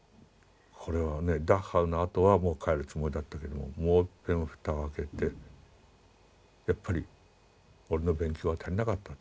これはねダッハウのあとはもう帰るつもりだったけどももういっぺん蓋を開けてやっぱり俺の勉強は足りなかった。